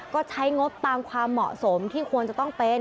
ก็ใช้งบตามความเหมาะสมที่ควรจะต้องเป็น